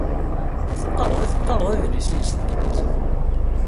Ur teqqareḍ idlisen s tanglizit.